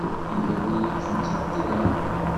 Tigawin ur ttmettatent ara.